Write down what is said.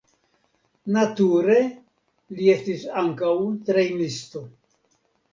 Nature li estis ankaŭ trejnisto.